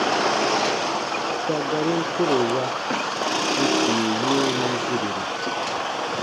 Sa garin tore wa, n tie yin wii goberu.